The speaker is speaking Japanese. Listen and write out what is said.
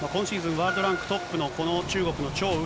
ワールドランクトップのこの中国の張雨霏。